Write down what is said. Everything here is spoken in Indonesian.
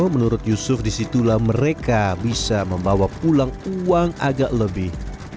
menurut yusuf disitulah mereka bisa membawa pulang uang agak lebih